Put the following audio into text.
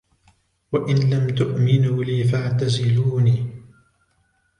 وإن لم تؤمنوا لي فاعتزلون